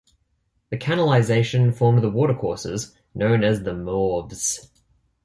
The canalisation formed the watercourses known as the mauves.